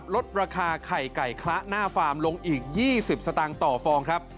ลดราคาไข่ไก่คละหน้าฟาร์มลงอีก๒๐สตางค์ต่อฟองครับ